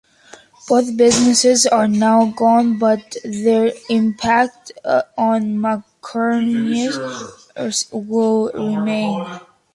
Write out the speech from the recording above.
Both businesses are now gone, but their impact on Macquariums will remain.